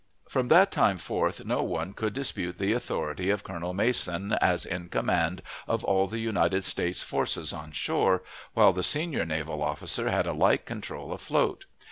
From that time forth no one could dispute the authority of Colonel Mason as in command of all the United States forces on shore, while the senior naval officer had a like control afloat.